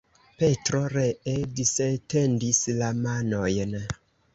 Petro ree disetendis la manojn.